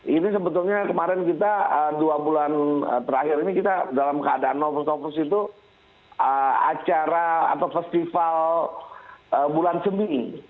ini sebetulnya kemarin kita dua bulan terakhir ini kita dalam keadaan novel noverse itu acara atau festival bulan semi